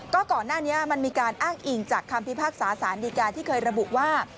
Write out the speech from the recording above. ก็ก่อนหน้านี้มันมีการอ้างอิงจากคำพิพากษาสารดีการที่เคยระบุว่า